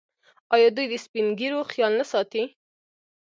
آیا دوی د سپین ږیرو خیال نه ساتي؟